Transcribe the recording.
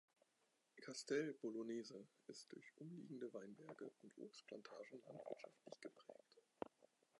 Castel Bolognese ist durch umliegende Weinberge und Obstplantagen landwirtschaftlich geprägt.